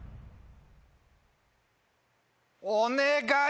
お願い！